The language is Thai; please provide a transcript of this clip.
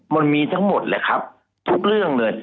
มันมีทั้งหมดแหละครับทุกเรื่องเลย